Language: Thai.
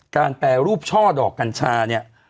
แปรรูปช่อดอกกัญชาเนี่ย